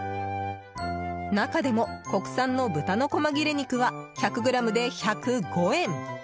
中でも、国産の豚の細切れ肉は１００ｇで１０５円。